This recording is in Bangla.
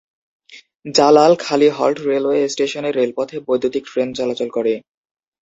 Jalal Khali halt railway station এর রেলপথে বৈদ্যুতীক ট্রেন চলাচল করে।